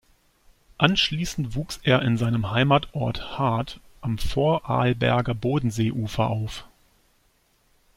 Anschließend wuchs er in seinem Heimatort Hard am Vorarlberger Bodenseeufer auf.